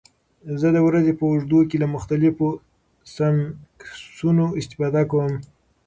زه د ورځې په اوږدو کې له مختلفو سنکسونو استفاده کوم.